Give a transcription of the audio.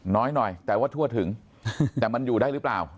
น้อยหน่อยแต่ว่าทั่วถึงแต่มันอยู่ได้หรือเปล่า